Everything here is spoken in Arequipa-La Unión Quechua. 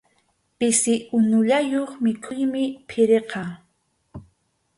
Pisi unullayuq mikhuymi phiriqa.